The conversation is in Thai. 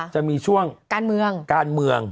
จะมีช่วงการเมือง